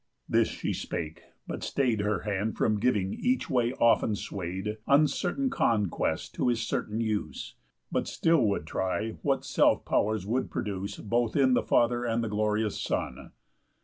This she spake, but stay'd Her hand from giving each way often sway'd Uncertain conquest to his certain use, But still would try what self pow'rs would produce Both in the father and the glorious son.